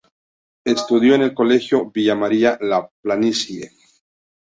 Estudió en el Colegio Villa María-La Planicie.